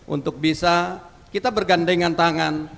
untuk bisa kita bergandengan tangan